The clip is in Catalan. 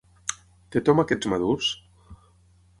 Té tomàquets madurs?